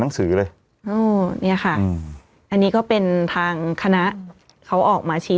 หนังสือเลยอ๋อเนี่ยค่ะอืมอันนี้ก็เป็นทางคณะเขาออกมาชี้